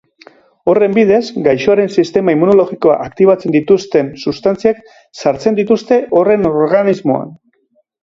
Horren bidez, gaixoaren sistema immunologikoa aktibatzen dituzten substantziak sartzen dituzte horren organismoan.